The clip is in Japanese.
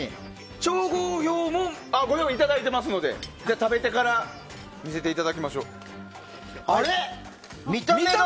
調合表もご用意いただいていますので食べてから見せていただきましょう。